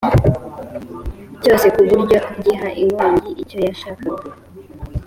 cyose ku buryo giha inkongi icyo yashakaga